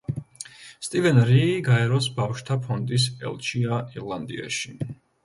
სტივენ რი გაეროს ბავშვთა ფონდის ელჩია ირლანდიაში.